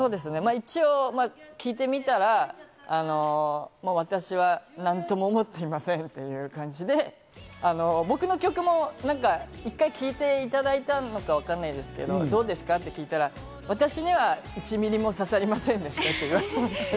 一応、聞いてみたら私は何とも思っていませんっていう感じで、僕の曲もいっぱい聴いていただいたのかわかんないですけど、どうですか？って聞いたら私には１ミリも刺さりませんでしたって。